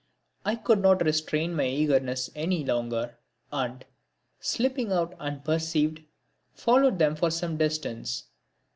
I could not restrain my eagerness any longer, and, slipping out unperceived, followed them for some distance.